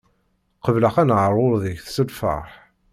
Qebleɣ aneɛṛuḍ-ik s lfeṛḥ.